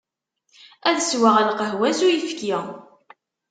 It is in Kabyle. Ad sweɣ lqahwa s uyefki.